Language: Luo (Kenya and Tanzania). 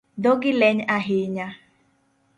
Dhogi leny ahinya